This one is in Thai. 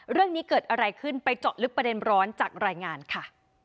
เรื่องนี้เกิดอะไรขึ้นไปเจาะลึกประเด็นร้อนจากรายงานค่ะ